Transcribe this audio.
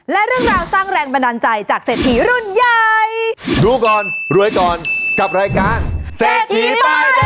และเรื่องราวสร้างแรงบันดาลใจจากเศรษฐีรุ่นใหญ่ดูก่อนรวยก่อนกับรายการเศรษฐีป้ายแดง